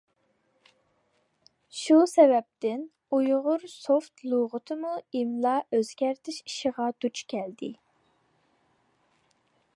شۇ سەۋەبتىن ئۇيغۇرسوفت لۇغىتىمۇ ئىملا ئۆزگەرتىش ئىشىغا دۇچ كەلدى.